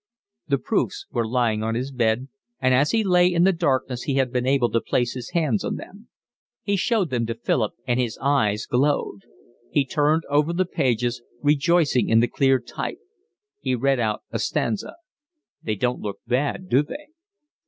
The proofs were lying on his bed, and as he lay in the darkness he had been able to place his hands on them. He showed them to Philip and his eyes glowed. He turned over the pages, rejoicing in the clear type; he read out a stanza. "They don't look bad, do they?"